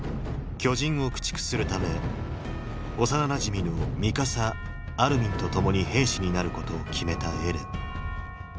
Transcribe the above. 巨人を駆逐するため幼なじみのミカサアルミンと共に兵士になることを決めたエレン。